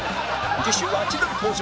次週は千鳥登場